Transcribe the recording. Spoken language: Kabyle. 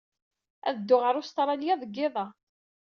Ad dduɣ ɣer Ustṛalya deg yiḍ-a.